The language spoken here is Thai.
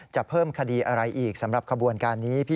จะเพิ่มคดีอะไรอีกสำหรับขบวนการนี้